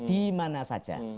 di mana saja